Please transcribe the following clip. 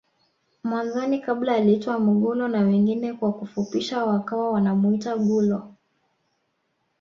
Mwanzoni kabla aliitwa Mugulo na wengine kwa kufupisha wakawa wanamuita gulo